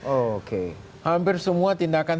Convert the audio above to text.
oke hampir semua tindakan